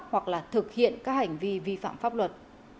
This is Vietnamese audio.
hoặc là thực hiện các hành vi vi phạm pháp luật